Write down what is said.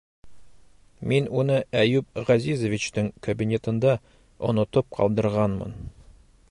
Мин уны Әйүп Ғәзизовичтың кабинетында онотоп ҡалдырғанмын...